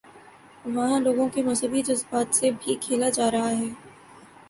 وہاں لوگوں کے مذہبی جذبات سے بھی کھیلاجا رہا ہے۔